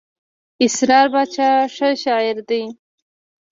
اسرار باچا ښه شاعر دئ.